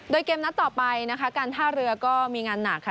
โดยเกมนัดต่อไปนะคะการท่าเรือก็มีงานหนักค่ะ